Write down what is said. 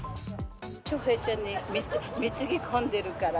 翔平ちゃんに貢ぎ込んでるから。